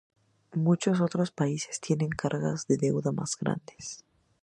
Muchos otros países tienen cargas de deuda más grandes.